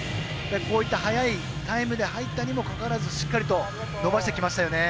こういった早いタイムで入ったにもかかわらずしっかりと伸ばしてきましたよね。